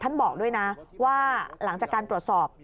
บอกด้วยนะว่าหลังจากการตรวจสอบ